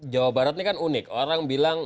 jawa barat ini kan unik orang bilang